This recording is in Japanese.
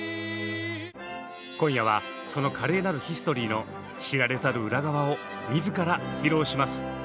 今夜はその華麗なるヒストリーの知られざる裏側を自ら披露します！